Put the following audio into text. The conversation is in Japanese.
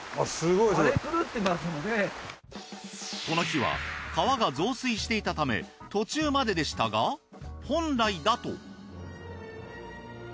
この日は川が増水していたため途中まででしたが本来だと。